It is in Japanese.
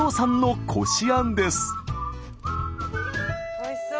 おいしそう。